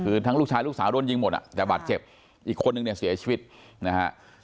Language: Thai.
คือทั้งลูกชายลูกสาวโดนยิงหมดอ่ะแต่บาดเจ็บอีกคนนึงเนี่ยเสียชีวิตนะฮะ